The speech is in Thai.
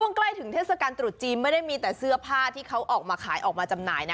ใกล้ถึงเทศกาลตรุษจีนไม่ได้มีแต่เสื้อผ้าที่เขาออกมาขายออกมาจำหน่ายนะ